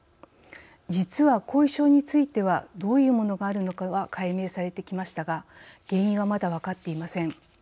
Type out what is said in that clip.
実は後遺症についてはどういうものがあるのかは解明されてきましたが原因はまだ分かっていません。